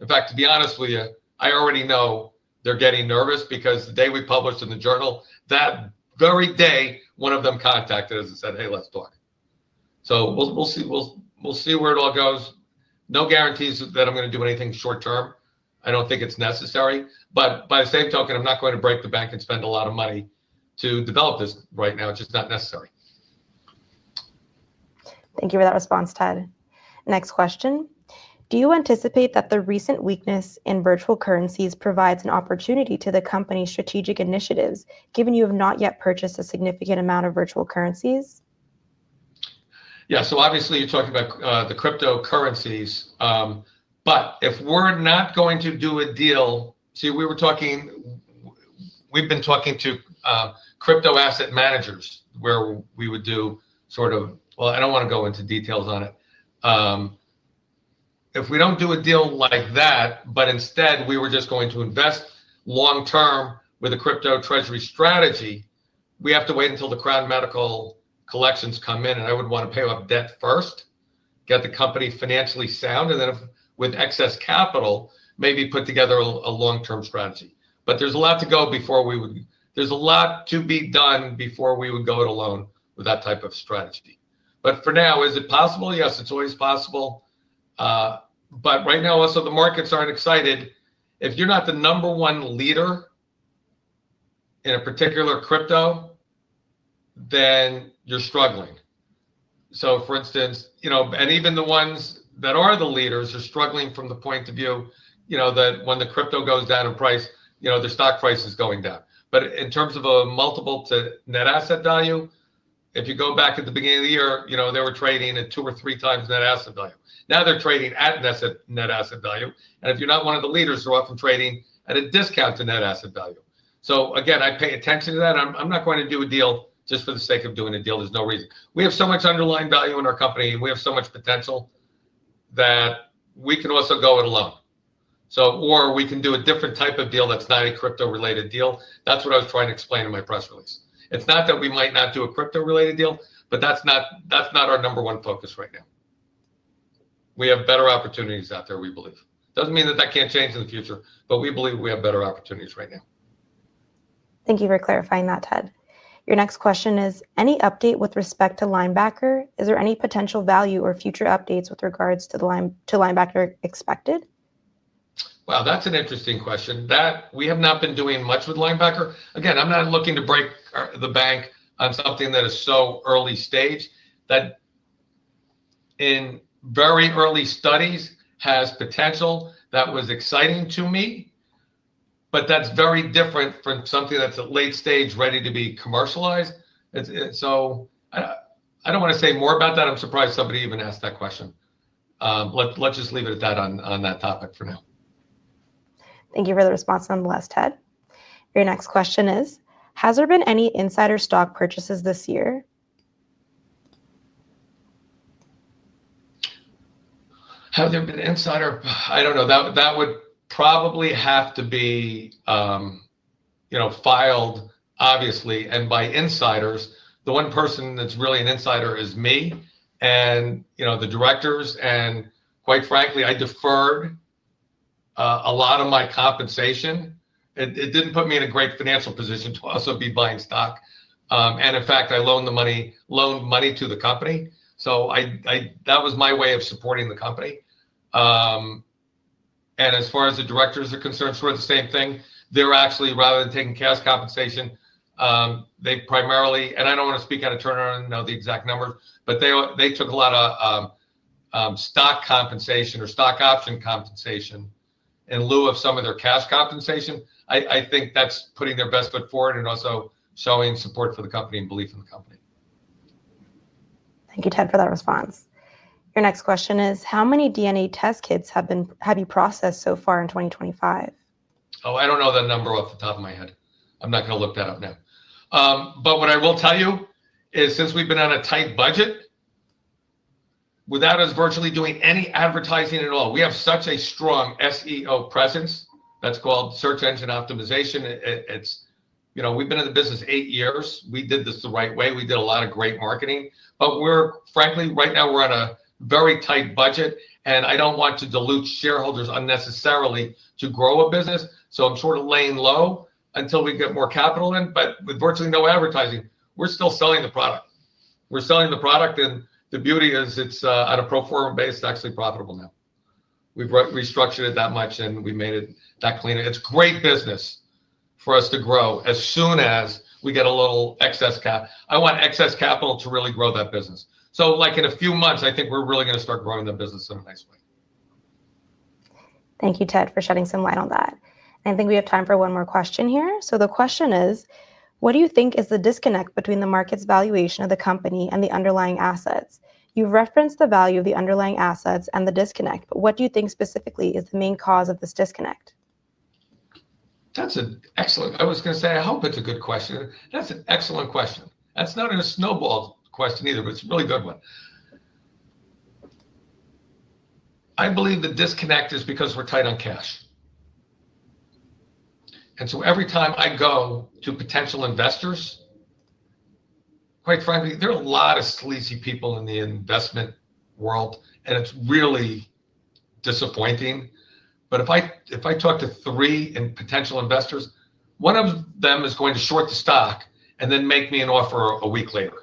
In fact, to be honest with you, I already know they're getting nervous because the day we published in the journal, that very day, one of them contacted us and said, "Hey, let's talk." We'll see where it all goes. No guarantees that I'm going to do anything short term. I don't think it's necessary. By the same token, I'm not going to break the bank and spend a lot of money to develop this right now. It's just not necessary. Thank you for that response, Ted. Next question. Do you anticipate that the recent weakness in virtual currencies provides an opportunity to the company's strategic initiatives, given you have not yet purchased a significant amount of virtual currencies? Yeah. So obviously, you're talking about the cryptocurrencies. If we're not going to do a deal, see, we've been talking to crypto asset managers where we would do sort of, I don't want to go into details on it. If we don't do a deal like that, but instead we were just going to invest long-term with a crypto treasury strategy, we have to wait until the Crown Medical collections come in. I would want to pay off debt first, get the company financially sound, and then with excess capital, maybe put together a long-term strategy. There's a lot to go before we would, there's a lot to be done before we would go it alone with that type of strategy. For now, is it possible? Yes, it's always possible. Right now, also, the markets aren't excited. If you're not the number one leader in a particular crypto, then you're struggling. For instance, and even the ones that are the leaders are struggling from the point of view that when the crypto goes down in price, the stock price is going down. In terms of a multiple to net asset value, if you go back at the beginning of the year, they were trading at two or three times net asset value. Now they're trading at net asset value. If you're not one of the leaders, they're often trading at a discount to net asset value. I pay attention to that. I'm not going to do a deal just for the sake of doing a deal. There's no reason. We have so much underlying value in our company. We have so much potential that we can also go it alone. We can do a different type of deal that's not a crypto-related deal. That's what I was trying to explain in my press release. It's not that we might not do a crypto-related deal, but that's not our number one focus right now. We have better opportunities out there, we believe. Doesn't mean that that can't change in the future, but we believe we have better opportunities right now. Thank you for clarifying that, Ted. Your next question is, any update with respect to Linebacker? Is there any potential value or future updates with regards to Linebacker expected? Wow, that's an interesting question. We have not been doing much with Linebacker. Again, I'm not looking to break the bank on something that is so early stage that in very early studies has potential. That was exciting to me. That is very different from something that's at late stage ready to be commercialized. I don't want to say more about that. I'm surprised somebody even asked that question. Let's just leave it at that on that topic for now. Thank you for the response nonetheless, Ted. Your next question is, has there been any insider stock purchases this year? Have there been insider? I don't know. That would probably have to be filed, obviously, and by insiders. The one person that's really an insider is me and the directors. Quite frankly, I deferred a lot of my compensation. It didn't put me in a great financial position to also be buying stock. In fact, I loaned money to the company. That was my way of supporting the company. As far as the directors are concerned, sort of the same thing. They're actually, rather than taking cash compensation, they primarily—I don't want to speak out of turn, I don't know the exact numbers—but they took a lot of stock compensation or stock option compensation in lieu of some of their cash compensation. I think that's putting their best foot forward and also showing support for the company and belief in the company. Thank you, Ted, for that response. Your next question is, how many DNA test kits have you processed so far in 2025? Oh, I don't know the number off the top of my head. I'm not going to look that up now. What I will tell you is, since we've been on a tight budget, without us virtually doing any advertising at all, we have such a strong SEO presence. That's called search engine optimization. We've been in the business eight years. We did this the right way. We did a lot of great marketing. Frankly, right now, we're on a very tight budget. I don't want to dilute shareholders unnecessarily to grow a business. I'm sort of laying low until we get more capital in. With virtually no advertising, we're still selling the product. We're selling the product. The beauty is it's on a pro forma base. It's actually profitable now. We've restructured it that much, and we've made it that clean. It's great business for us to grow as soon as we get a little excess cap. I want excess capital to really grow that business. In a few months, I think we're really going to start growing the business in a nice way. Thank you, Ted, for shedding some light on that. I think we have time for one more question here. The question is, what do you think is the disconnect between the market's valuation of the company and the underlying assets? You've referenced the value of the underlying assets and the disconnect. What do you think specifically is the main cause of this disconnect? That's an excellent—I was going to say, I hope it's a good question. That's an excellent question. That's not a snowball question either, but it's a really good one. I believe the disconnect is because we're tight on cash. Every time I go to potential investors, quite frankly, there are a lot of sleazy people in the investment world, and it's really disappointing. If I talk to three potential investors, one of them is going to short the stock and then make me an offer a week later.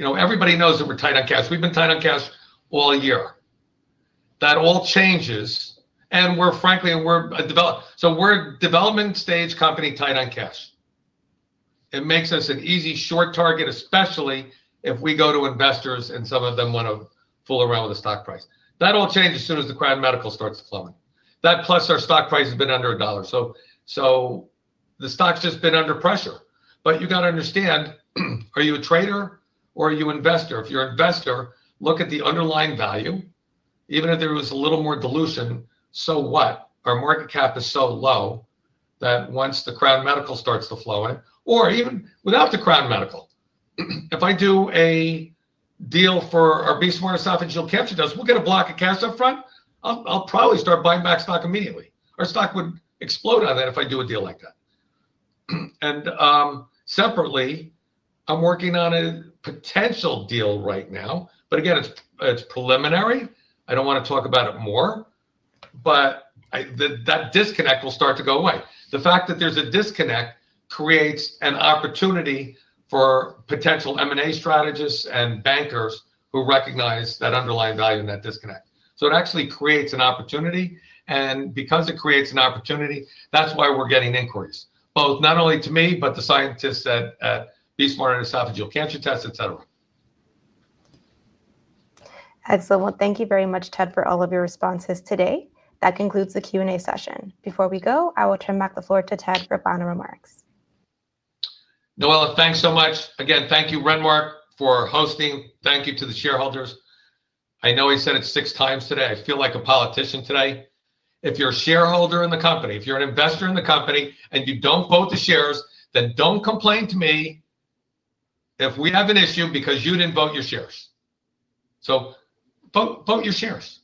Everybody knows that we're tight on cash. We've been tight on cash all year. That all changes. Frankly, we're a development stage company tight on cash. It makes us an easy short target, especially if we go to investors and some of them want to fool around with the stock price. That all changes as soon as the Crown Medical starts flowing. That plus our stock price has been under a dollar. The stock's just been under pressure. You got to understand, are you a trader or are you an investor? If you're an investor, look at the underlying value. Even if there was a little more dilution, so what? Our market cap is so low that once the Crown Medical starts to flow in, or even without the Crown Medical, if I do a deal for our BE-Smart Esophageal Cancer Tests, we'll get a block of cash upfront. I'll probably start buying back stock immediately. Our stock would explode on that if I do a deal like that. Separately, I'm working on a potential deal right now. Again, it's preliminary. I don't want to talk about it more. That disconnect will start to go away. The fact that there's a disconnect creates an opportunity for potential M&A strategists and bankers who recognize that underlying value in that disconnect. It actually creates an opportunity. Because it creates an opportunity, that's why we're getting inquiries, both not only to me but to scientists at BE-Smart Esophageal Cancer Tests, etc. Excellent. Thank you very much, Ted, for all of your responses today. That concludes the Q&A session. Before we go, I will turn back the floor to Ted for final remarks. Noella, thanks so much. Again, thank you, Renmark, for hosting. Thank you to the shareholders. I know he said it 6x today. I feel like a politician today. If you're a shareholder in the company, if you're an investor in the company, and you don't vote the shares, then don't complain to me if we have an issue because you didn't vote your shares. Vote your shares,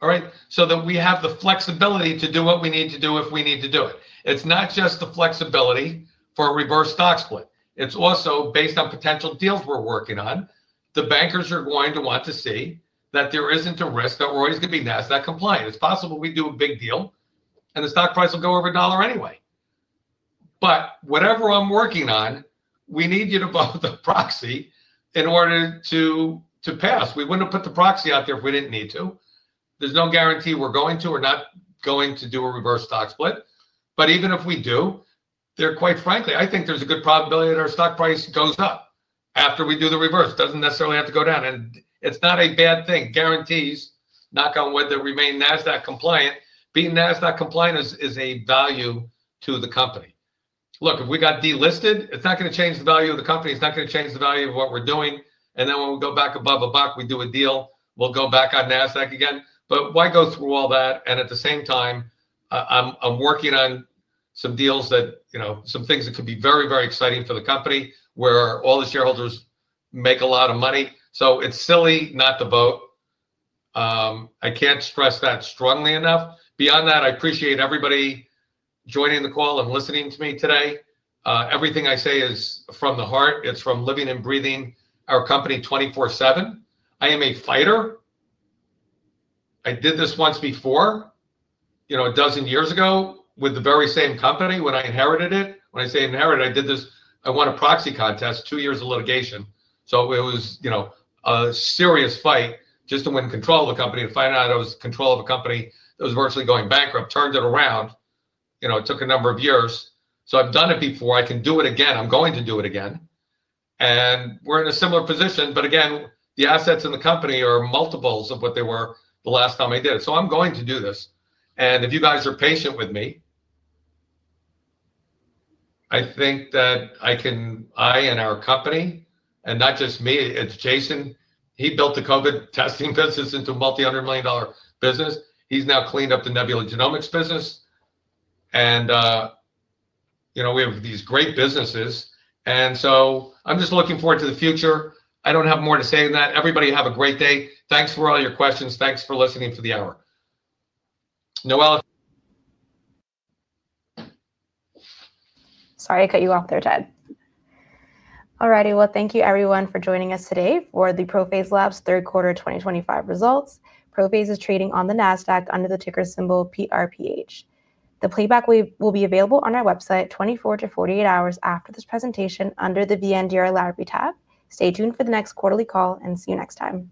all right, so that we have the flexibility to do what we need to do if we need to do it. It's not just the flexibility for a reverse stock split. It's also based on potential deals we're working on. The bankers are going to want to see that there isn't a risk that we're always going to be Nasdaq compliant. It's possible we do a big deal, and the stock price will go over a dollar anyway. Whatever I'm working on, we need you to vote the proxy in order to pass. We wouldn't have put the proxy out there if we didn't need to. There's no guarantee we're going to or not going to do a reverse stock split. Even if we do, quite frankly, I think there's a good probability that our stock price goes up after we do the reverse. It doesn't necessarily have to go down. It's not a bad thing. Guarantees, knock on wood, that we remain Nasdaq compliant. Being Nasdaq compliant is a value to the company. Look, if we got delisted, it's not going to change the value of the company. It's not going to change the value of what we're doing. When we go back above a buck, we do a deal, we'll go back on Nasdaq again. Why go through all that? At the same time, I'm working on some deals, some things that could be very, very exciting for the company where all the shareholders make a lot of money. It's silly not to vote. I can't stress that strongly enough. Beyond that, I appreciate everybody joining the call and listening to me today. Everything I say is from the heart. It's from living and breathing our company 24/7. I am a fighter. I did this once before, a dozen years ago with the very same company when I inherited it. When I say inherited, I did this—I won a proxy contest, two years of litigation. It was a serious fight just to win control of the company. Finally, I was in control of a company that was virtually going bankrupt, turned it around. It took a number of years. I've done it before. I can do it again. I'm going to do it again. We're in a similar position. The assets in the company are multiples of what they were the last time I did it. I'm going to do this. If you guys are patient with me, I think that I and our company, and not just me, it's Jason. He built the COVID testing business into a multi-$100 million business. He's now cleaned up the Nebula Genomics business. We have these great businesses. I'm just looking forward to the future. I don't have more to say than that. Everybody, have a great day. Thanks for all your questions. Thanks for listening for the hour. Noella. Sorry, I cut you off there, Ted. All righty. Thank you, everyone, for joining us today for the ProPhase Labs third quarter 2025 results. ProPhase is trading on the Nasdaq under the ticker symbol PRPH. The playback will be available on our website 24 to 48 hours after this presentation under the VNDR Library tab. Stay tuned for the next quarterly call and see you next time.